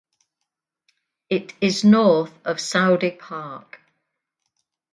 It is north of Saude Park.